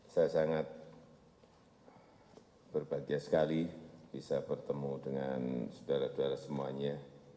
saya sangat berbahagia sekali bisa bertemu dengan saudara saudara semuanya